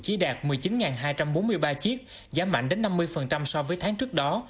chỉ đạt một mươi chín hai trăm bốn mươi ba chiếc giảm mạnh đến năm mươi so với tháng trước đó